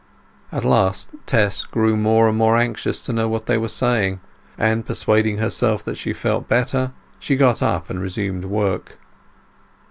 At last Tess grew more and more anxious to know what they were saying, and, persuading herself that she felt better, she got up and resumed work.